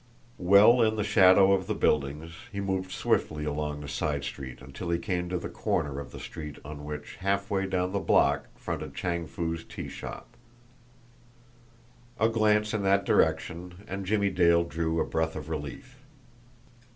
Well in the shadow of the buildings, he moved swiftly along the side street until he came to the corner of the street on which, halfway down the block, fronted Chang Foo's tea shop. A glance in that direction, and Jimmie Dale drew a breath of relief.